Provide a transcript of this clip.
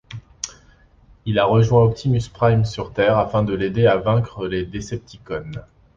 Il a rejoint Optimus Prime sur Terre afin de l'aider à vaincre les Decepticons.